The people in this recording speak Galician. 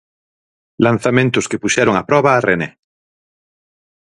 Lanzamentos que puxeron a proba a René.